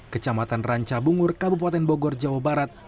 kecamatan ranca bungur kabupaten bogor jawa barat